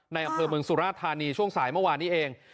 อำเภอเมืองสุราธานีช่วงสายเมื่อวานนี้เอง